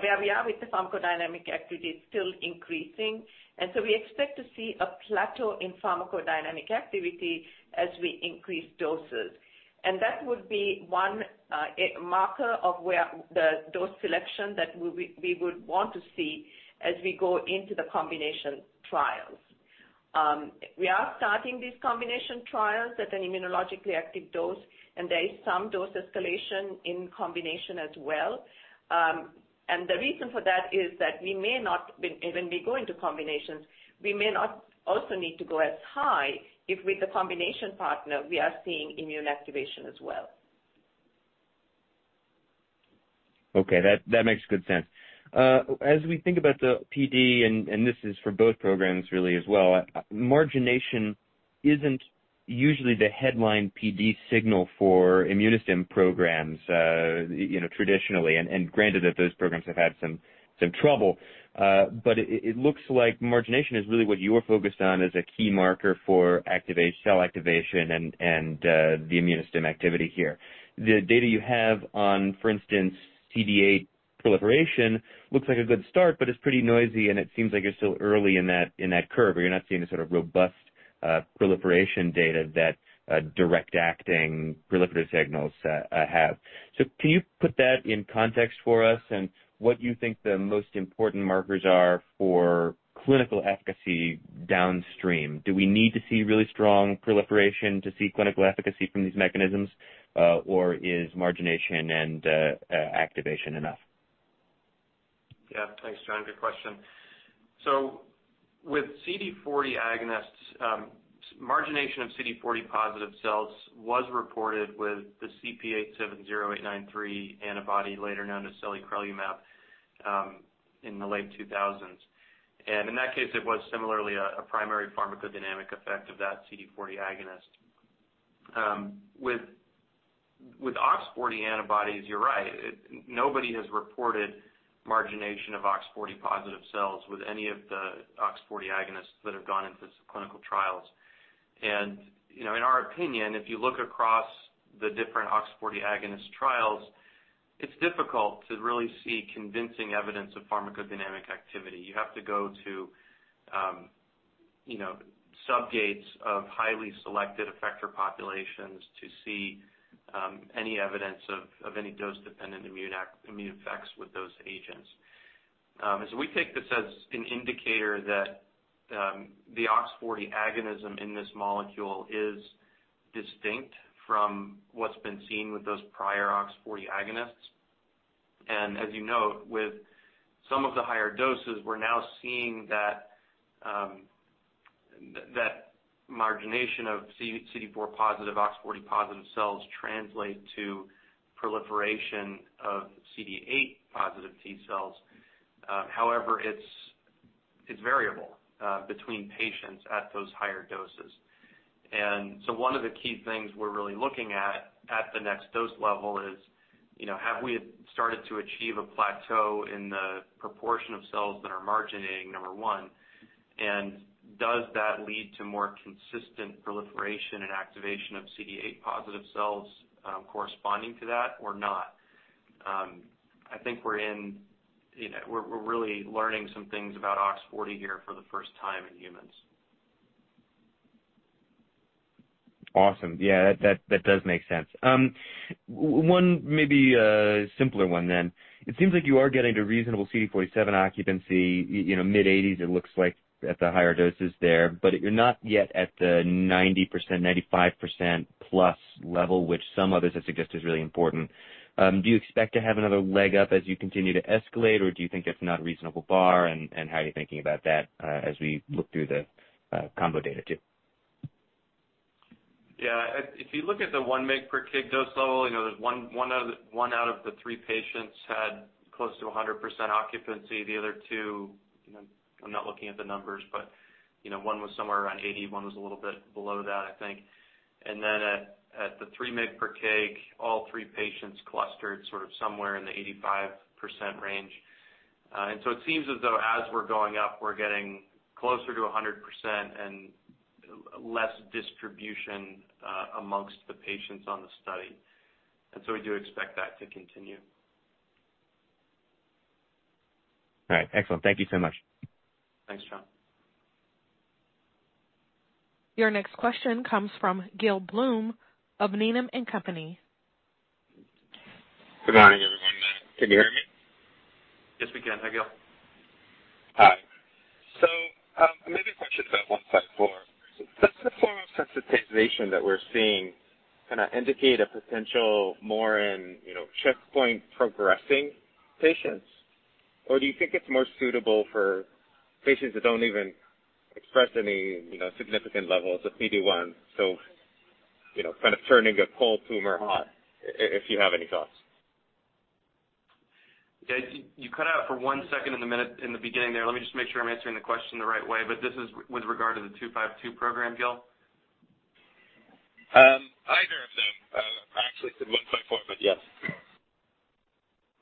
where we are with the pharmacodynamic activity; it's still increasing. That would be one marker of where the dose selection that we would want to see as we go into the combination trials. We are starting these combination trials at an immunologically active dose, and there is some dose escalation in combination as well. The reason for that is that when we go into combinations, we may not also need to go as high if, with the combination partner, we are seeing immune activation as well. Okay. That makes good sense. As we think about the PD, and this is for both programs really as well, margination isn't usually the headline PD signal for immunostim programs, you know, traditionally, and granted that those programs have had some trouble. It looks like margination is really what you're focused on as a key marker for activation, cell activation and the immunostim activity here. The data you have on, for instance, CD8 proliferation looks like a good start, but it's pretty noisy, and it seems like you're still early in that curve, or you're not seeing the sort of robust proliferation data that a direct-acting proliferative signals have. Can you put that in context for us and what you think the most important markers are for clinical efficacy downstream? Do we need to see really strong proliferation to see clinical efficacy from these mechanisms, or is margination and activation enough? Yeah. Thanks, John. Good question. With CD40 agonists, margination of CD40 positive cells was reported with the CP-870,893 antibody, later known as Selicrelumab, in the late 2000s. In that case, it was similarly a primary pharmacodynamic effect of that CD40 agonist. With OX40 antibodies, you're right. Nobody has reported margination of OX40 positive cells with any of the OX40 agonists that have gone into clinical trials. You know, in our opinion, if you look across the different OX40 agonist trials, it's difficult to really see convincing evidence of pharmacodynamic activity. You have to go to subsets of highly selected effector populations to see any evidence of any dose-dependent immune effects with those agents. We take this as an indicator that the OX40 agonism in this molecule is distinct from what's been seen with those prior OX40 agonists. As you note, with some of the higher doses, we are now seeing that margination of CD4 positive, OX40 positive cells translate to proliferation of CD8 positive T cells. However, it's variable between patients at those higher doses. One of the key things we're really looking at the next dose level is, you know, have we started to achieve a plateau in the proportion of cells that are marginating, number one, and does that lead to more consistent proliferation and activation of CD8 positive T cells, corresponding to that or not? I think you know, we're really learning some things about OX40 here for the first time in humans. Awesome. Yeah, that does make sense. One maybe simpler one then. It seems like you are getting to reasonable CD47 occupancy in mid-80s, it looks like at the higher doses there, but you're not yet at the 90%, 95% plus level, which some others have suggested is really important. Do you expect to have another leg up as you continue to escalate, or do you think it's not a reasonable bar, and how are you thinking about that, as we look through the combo data too? If you look at the 1 mg per kg dose level, you know, there's 1 out of the 3 patients had close to 100% occupancy. The other two, you know, I'm not looking at the numbers, but, you know, one was somewhere around 80, one was a little bit below that, I think. At the 3 mg per kg, all 3 patients clustered sort of somewhere in the 85% range. It seems as though we're going up, we're getting closer to 100% and less distribution amongst the patients on the study. We do expect that to continue. All right. Excellent. Thank you so much. Thanks, John. Your next question comes from Gil Blum of Needham & Company. Good morning, everyone. Can you hear me? Yes, we can. Hi, Gil. Hi. Maybe a question about one five four. Does the form of sensitization that we're seeing kinda indicate a potential more in, you know, checkpoint progressing patients? Or do you think it's more suitable for patients that don't even express any, you know, significant levels of PD-1, you know, kind of turning a cold tumor hot, if you have any thoughts. Yeah. You cut out for one second in the beginning there. Let me just make sure I'm answering the question the right way. This is with regard to the SL-279252 program, Gil? Either of them. I actually said 154, but yes.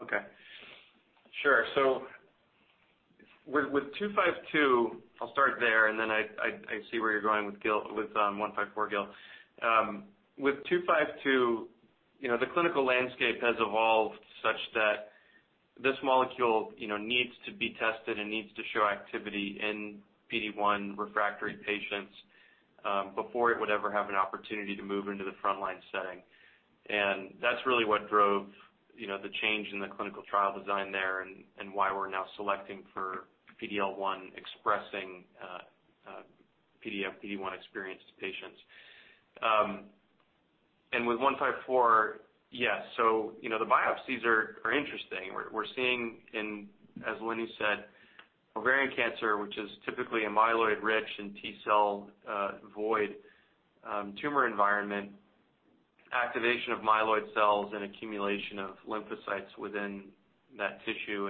Okay. Sure. With 252, I'll start there, and then I see where you're going with Gil with 154, Gil. With 252, you know, the clinical landscape has evolved such that this molecule, you know, needs to be tested and needs to show activity in PD-1 refractory patients before it would ever have an opportunity to move into the frontline setting. And that's really what drove, you know, the change in the clinical trial design there and why we're now selecting for PD-L1 expressing PD-1 experienced patients. With 154, yes. You know, the biopsies are interesting. We are seeing in, as Lenny said, ovarian cancer, which is typically a myeloid-rich, T cell-void tumor environment, activation of myeloid cells and accumulation of lymphocytes within that tissue.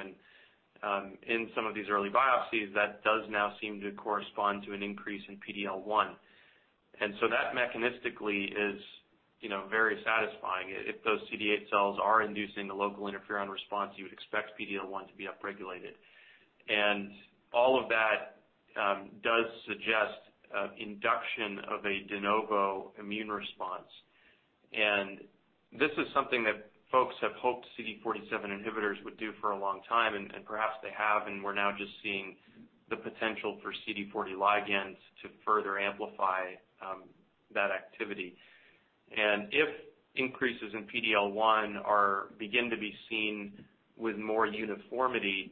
In some of these early biopsies, that does now seem to correspond to an increase in PD-L1. That mechanistically is, you know, very satisfying. If those CD8 cells are inducing a local interferon response, you would expect PD-L1 to be upregulated. All of that does suggest induction of a de novo immune response. This is something that folks have hoped CD47 inhibitors would do for a long time, and perhaps they have, and we're now just seeing the potential for CD40 ligands to further amplify that activity. If increases in PD-L1 begin to be seen with more uniformity,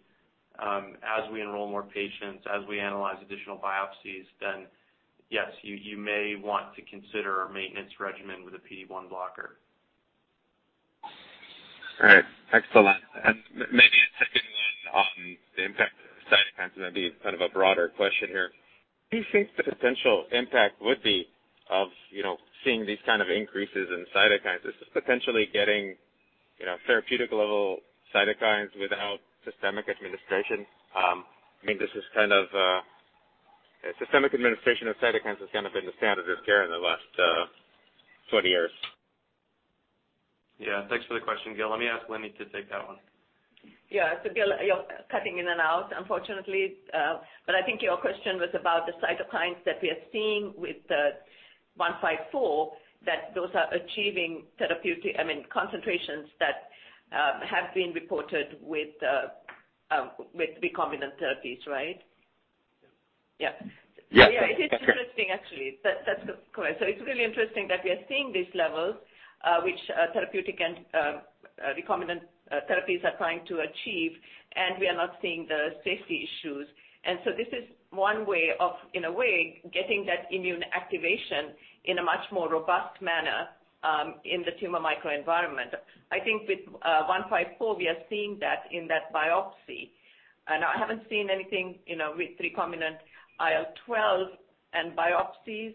as we enroll more patients, as we analyze additional biopsies, then yes, you may want to consider a maintenance regimen with a PD-1 blocker. All right. Excellent. Maybe a second one on the impact of cytokines, and that'd be kind of a broader question here. Do you think the potential impact would be of, you know, seeing these kind of increases in cytokines is potentially getting, you know, therapeutic level cytokines without systemic administration? I mean, this is kind of systemic administration of cytokines has kind of been the standard of care in the last 20 years. Yeah. Thanks for the question, Gil. Let me ask Lenny to take that one. Yeah. Gil, you're cutting in and out, unfortunately. I think your question was about the cytokines that we are seeing with 154, that those are achieving therapeutic, I mean, concentrations that have been reported with recombinant therapies, right? Yeah. Yeah. Yeah. Yeah, it is interesting actually. That's correct. It's really interesting that we are seeing these levels, which therapeutic and recombinant therapies are trying to achieve, and we are not seeing the safety issues. This is one way of, in a way, getting that immune activation in a much more robust manner, in the tumor microenvironment. I think with 154, we are seeing that in that biopsy. I haven't seen anything, you know, with recombinant IL-12 and biopsies,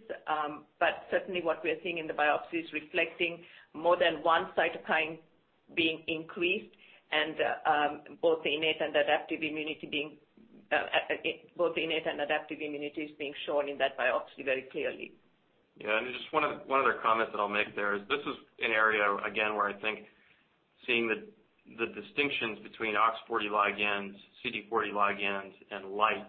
but certainly what we are seeing in the biopsy is reflecting more than one cytokine being increased and both innate and adaptive immunities being shown in that biopsy very clearly. Yeah. Just one other comment that I'll make there is this is an area again, where I think seeing the distinctions between OX40 ligands, CD40 ligands and LIGHT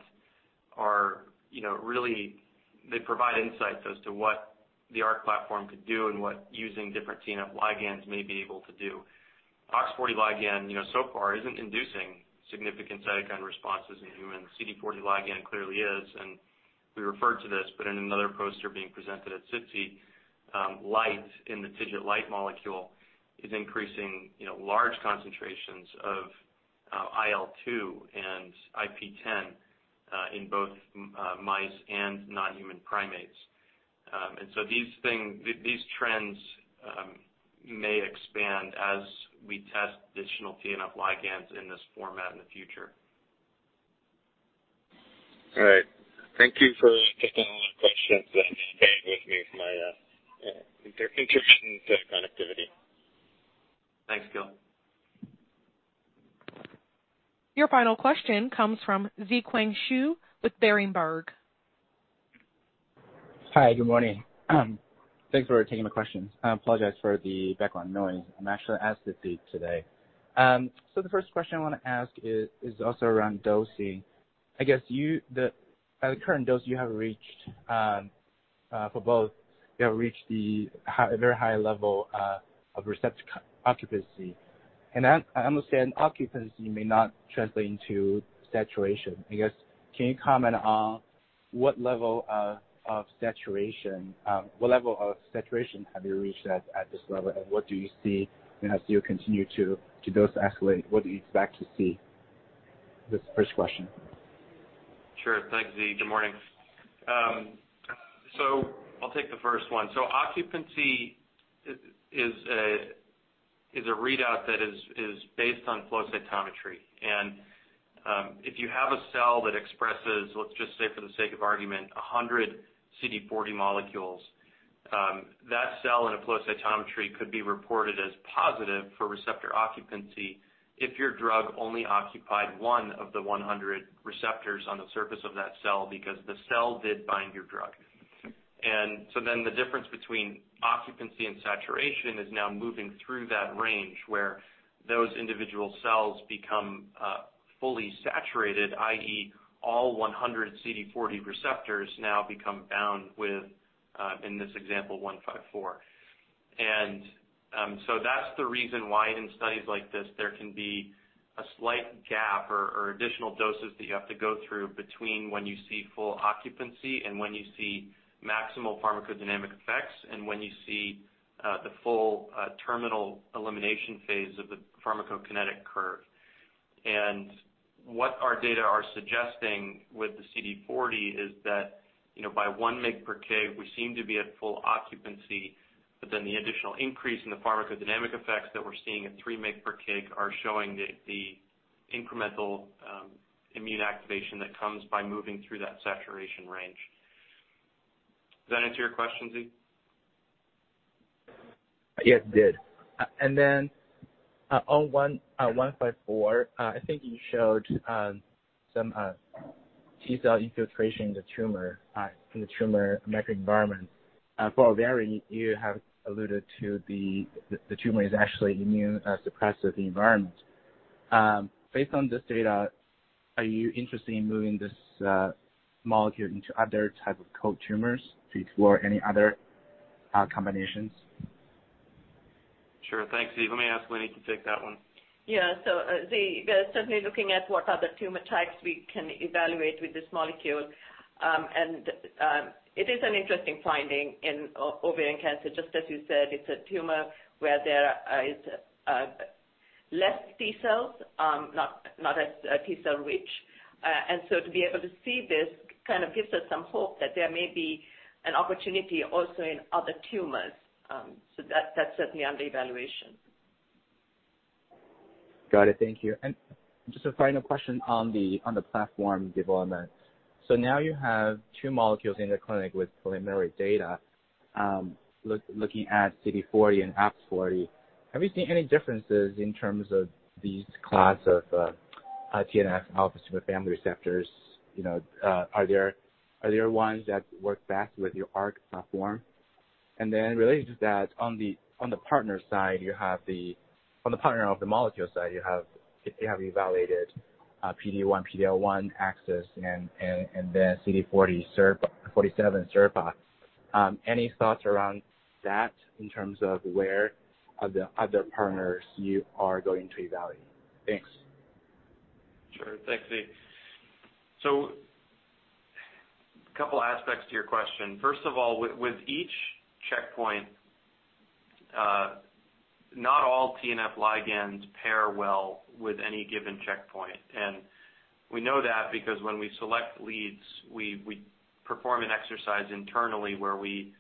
are, you know, really. They provide insights as to what the ARC platform could do and what using different TNF ligands may be able to do. OX40 ligand, you know, so far isn't inducing significant cytokine responses in humans. CD40 ligand clearly is, and we referred to this, but in another poster being presented at SITC, LIGHT in the TIGIT-LIGHT molecule is increasing, you know, large concentrations of IL-2 and IP-10 in both mice and non-human primates. These trends may expand as we test additional TNF ligands in this format in the future. All right. Thank you for taking all my questions and staying with me for my intermittent connectivity. Thanks, Gil. Your final question comes from Ziquan Xu with Berenberg. Hi, good morning. Thanks for taking my questions. I apologize for the background noise. I'm actually at SITC today. The first question I wanna ask is also around dosing. I guess at the current dose you have reached, for both, you have reached a very high level of receptor occupancy. I understand occupancy may not translate into saturation. I guess, can you comment on what level of saturation you have reached at this level? And what do you see, you know, as you continue to dose escalate, what do you expect to see? That's the first question. Sure. Thanks, Z. Good morning. I'll take the first one. Occupancy is a readout that is based on flow cytometry. If you have a cell that expresses, let's just say for the sake of argument, 100 CD40 molecules, that cell in a flow cytometry could be reported as positive for receptor occupancy if your drug only occupied one of the 100 receptors on the surface of that cell because the cell did bind your drug. The difference between occupancy and saturation is now moving through that range, where those individual cells become fully saturated, i.e., all 100 CD40 receptors now become bound with, in this example, 154. That's the reason why in studies like this, there can be a slight gap or additional doses that you have to go through between when you see full occupancy and when you see maximal pharmacodynamic effects and when you see the full terminal elimination phase of the pharmacokinetic curve. What our data are suggesting with the CD40 is that, you know, by 1 mg per kg, we seem to be at full occupancy, but then the additional increase in the pharmacodynamic effects that we're seeing at 3 mg per kg are showing the incremental immune activation that comes by moving through that saturation range. Does that answer your question, Z? Yes, it did. On 154, I think you showed some T-cell infiltration in the tumor microenvironment. For ovarian, you have alluded to the tumor is actually immune suppressed with the environment. Based on this data, are you interested in moving this molecule into other type of cold tumors to explore any other combinations? Sure. Thanks, Ziquan Xu. Let me ask Lini Pandite to take that one. Yeah. Z, we are certainly looking at what other tumor types we can evaluate with this molecule. It is an interesting finding in ovarian cancer. Just as you said, it's a tumor where there is less T cells, not as T cell rich. To be able to see this kind of gives us some hope that there may be an opportunity also in other tumors. That's certainly under evaluation. Got it. Thank you. Just a final question on the platform development. Now you have two molecules in the clinic with preliminary data, looking at CD40 and OX40. Have you seen any differences in terms of these class of TNF and receptor family receptors? You know, are there ones that work best with your ARC platform? Related to that, on the partner side of the molecule, you have evaluated PD-1, PD-L1 axis and then CD40 SIRPα, CD47 SIRPα. Any thoughts around that in terms of where are the other partners you are going to evaluate? Thanks. Sure. Thanks, Z. Couple aspects to your question. First of all, with each checkpoint, not all TNF ligands pair well with any given checkpoint. We know that because when we select leads, we perform an exercise internally where we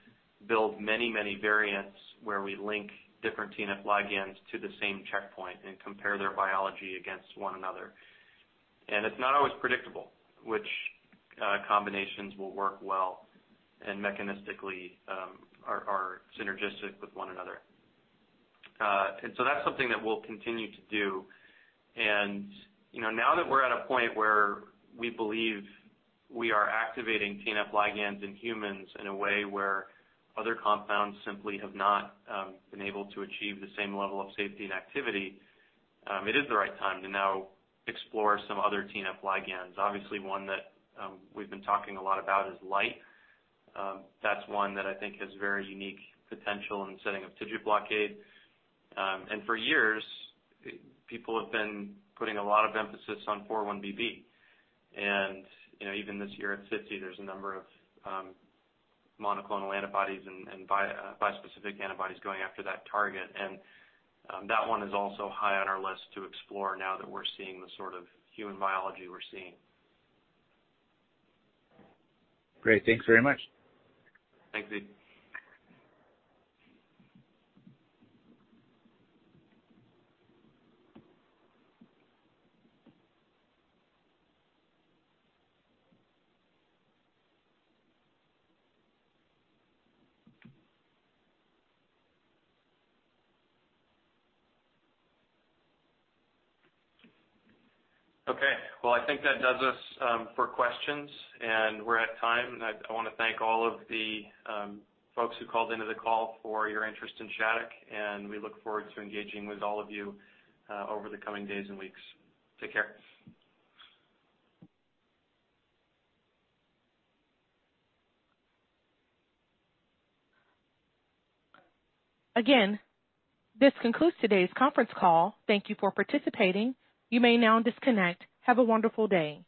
build many variants where we link different TNF ligands to the same checkpoint and compare their biology against one another. It's not always predictable which combinations will work well and mechanistically are synergistic with one another. That's something that we'll continue to do. You know, now that we're at a point where we believe we are activating TNF ligands in humans in a way where other compounds simply have not been able to achieve the same level of safety and activity, it is the right time to now explore some other TNF ligands. Obviously, one that we've been talking a lot about is LIGHT. That's one that I think has very unique potential in the setting of TIGIT blockade. For years, people have been putting a lot of emphasis on 4-1BB. You know, even this year at SITC, there's a number of monoclonal antibodies and bispecific antibodies going after that target. That one is also high on our list to explore now that we're seeing the sort of human biology we're seeing. Great. Thanks very much. Thanks, Z. Okay. Well, I think that does us for questions, and we're at time. I wanna thank all of the folks who called into the call for your interest in Shattuck, and we look forward to engaging with all of you over the coming days and weeks. Take care. Again, this concludes today's conference call. Thank you for participating. You may now disconnect. Have a wonderful day.